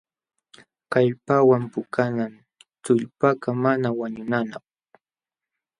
Kallpawan puukanam tullpakaq mana wañunanapq.